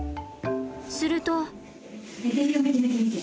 すると。